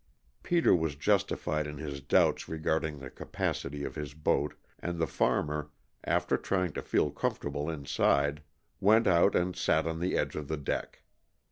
Peter was justified in his doubts regarding the capacity of his boat, and the farmer, after trying to feel comfortable inside, went out and sat on the edge of the deck.